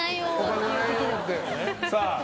さあ。